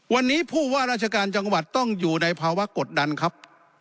วันนี้ผู้ว่าราชการจังหวัดต้องอยู่ในภาวะกดดันครับ